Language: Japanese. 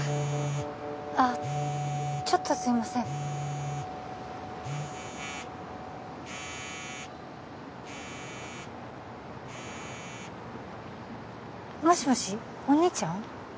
あーちょっとすいませんもしもしお兄ちゃん？